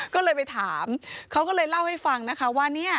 ก็เลยไปถามเขาก็เลยเล่าให้ฟังนะคะว่าเนี่ย